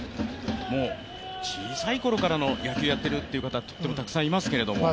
小さい頃から野球をやっている方というのはとってもたくさんいますけども。